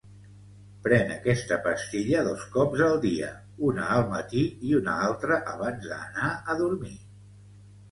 Pren aquesta pastilla dos cops al dia, una al matí i una altra abans d'anar a dormir.